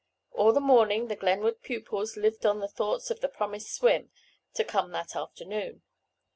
All the morning the Glenwood pupils lived on the thoughts of the promised swim, to come that afternoon.